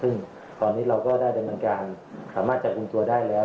ซึ่งตอนนี้เราก็ได้ดำเนินการสามารถจับกลุ่มตัวได้แล้ว